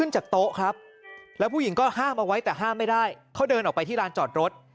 จากโต๊ะครับแล้วผู้หญิงก็ห้ามเอาไว้แต่ห้ามไม่ได้เขาเดินออกไปที่ร้านจอดรถ